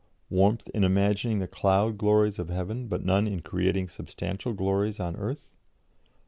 Warmth in imagining the cloud glories of heaven, but none in creating substantial glories on earth?'